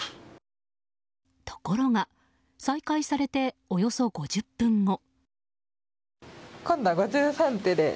ところが再開されておよそ５０分後。